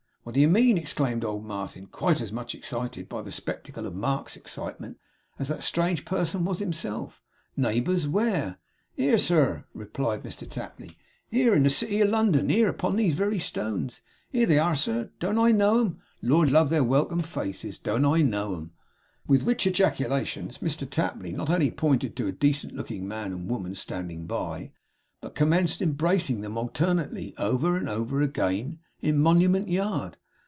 'What do you mean!' exclaimed old Martin, quite as much excited by the spectacle of Mark's excitement as that strange person was himself. 'Neighbours, where?' 'Here, sir!' replied Mr Tapley. 'Here in the city of London! Here upon these very stones! Here they are, sir! Don't I know 'em? Lord love their welcome faces, don't I know 'em!' With which ejaculations Mr Tapley not only pointed to a decent looking man and woman standing by, but commenced embracing them alternately, over and over again, in Monument Yard.